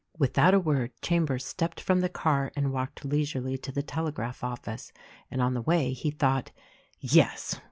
Without a word Chambers stepped from the car and walked leisurely to the telegraph office, and on the way he thought, "Yes!